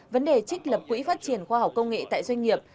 vấn đề trích lập quỹ phát triển khoa học công nghệ tại doanh nghiệp